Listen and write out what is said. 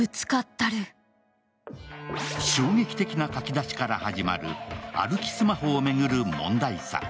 衝撃的な書き出しから始まる歩きスマホを巡る問題作。